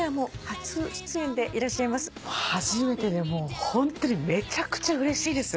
初めてでもうホントにめちゃくちゃうれしいです。